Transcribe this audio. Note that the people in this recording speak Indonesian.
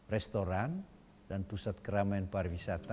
restoran dan pusat keramaian pariwisata